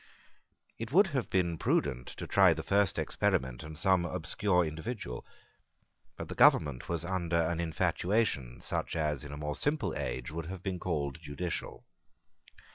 It would have been prudent to try the first experiment on some obscure individual. But the government was under an infatuation such as, in a more simple age, would have been called judicial.